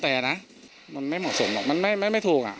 แล้วแต่นะมันไม่เหมาะสมหรอกมันไม่ไม่ไม่ถูกอ่ะ